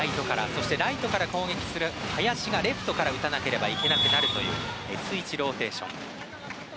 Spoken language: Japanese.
そしてライトから攻撃する林がレフトから打たなきゃいけなくなるというＳ１ローテーション。